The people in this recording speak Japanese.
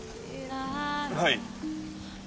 はい。